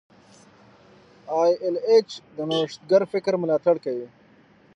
ای ایل ایچ د نوښتګر فکر ملاتړ کوي.